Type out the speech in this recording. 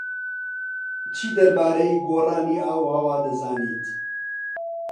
چی دەربارەی گۆڕانی ئاووهەوا دەزانیت؟